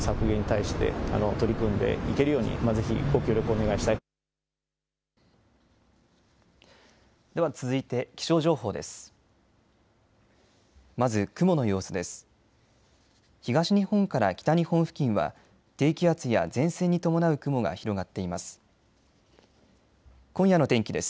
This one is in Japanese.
東日本から北日本付近は低気圧や前線に伴う雲が広がっています。